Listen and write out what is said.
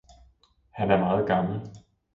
Han er meget gammel.